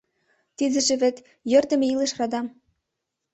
«Тидыже вет йӧрдымӧ илыш радам».